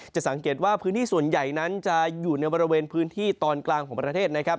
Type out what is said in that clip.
สังเกตว่าพื้นที่ส่วนใหญ่นั้นจะอยู่ในบริเวณพื้นที่ตอนกลางของประเทศนะครับ